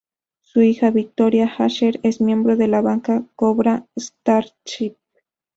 Su hija, Victoria Asher, es miembro de la banda Cobra Starship.